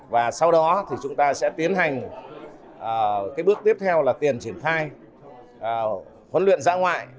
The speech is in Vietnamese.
và sau đó thì chúng ta sẽ tiến hành cái bước tiếp theo là tiền triển khai huấn luyện dã ngoại